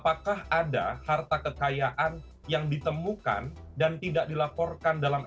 apakah ada harta kekayaan yang ditemukan dan tidak dilaporkan dalam